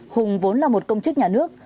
hùng vốn là một công chức nhà nước